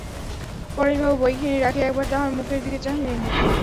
পরেশবাবু বইখানি রাখিয়া একবার তাহার মুখের দিকে চাহিলেন।